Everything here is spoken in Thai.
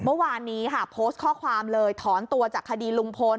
เมื่อวานนี้ค่ะโพสต์ข้อความเลยถอนตัวจากคดีลุงพล